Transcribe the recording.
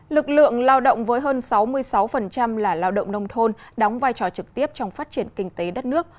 lực lượng lao động với hơn sáu mươi sáu là lao động nông thôn đóng vai trò trực tiếp trong phát triển kinh tế đất nước